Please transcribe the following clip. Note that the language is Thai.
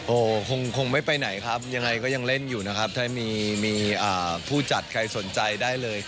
โอ้โหคงไม่ไปไหนครับยังไงก็ยังเล่นอยู่นะครับถ้ามีผู้จัดใครสนใจได้เลย